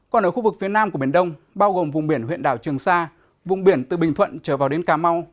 còn ở khu vực phía nam của biển đông bao gồm vùng biển huyện đảo trường sa vùng biển từ bình thuận trở vào đến cà mau